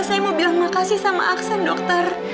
saya mau bilang makasih sama aksen dokter